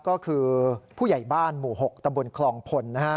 ก็คือผู้ใหญ่บ้านหมู่๖ตำรวจโทรศัพท์คลองพลนะฮะ